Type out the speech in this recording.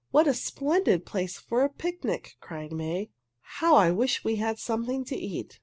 "What a splendid place for a picnic!" cried May. "How I wish we had something to eat!"